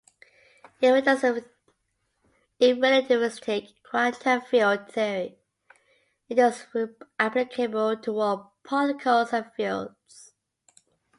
In relativistic quantum field theory, it is applicable to all particles and fields.